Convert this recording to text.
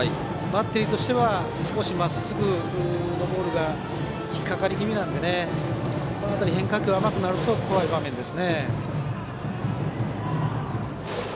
バッテリーは少しまっすぐのボールが引っ掛かり気味なのでこの辺り、変化球が甘くなると怖い場面です。